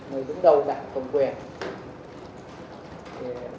người đứng đầu đảng công quyền